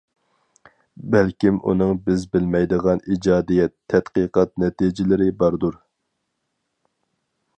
بەلكىم ئۇنىڭ بىز بىلمەيدىغان ئىجادىيەت-تەتقىقات نەتىجىلىرى باردۇر.